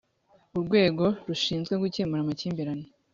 urwego rushinzwe gukemura amakimbirane